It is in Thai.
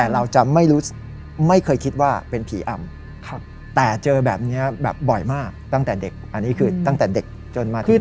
เราจะไม่เคยคิดว่าเป็นผีอำแต่เจอแบบนี้แบบบ่อยมากตั้งแต่เด็กอันนี้คือตั้งแต่เด็กจนมาถึง